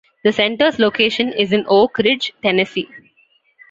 The Center's location is in Oak Ridge, Tennessee.